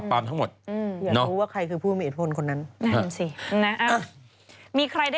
เธอแล้วเหลือหมดอ่ะ